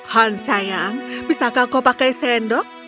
hans sayang bisakah kau pakai sendok